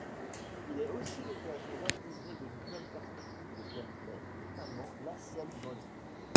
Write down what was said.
Il est aussi l'occasion d'intégrer de nouvelle perspective de gameplay, notamment l'Accel Mode.